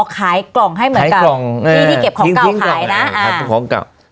ขายกล่องให้เหมือนกับกล่องที่ที่เก็บของเก่าขายนะอ่าขายของเก่า